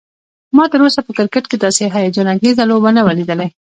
ما تراوسه په کرکټ کې داسې هيجان انګیزه لوبه نه وه لیدلی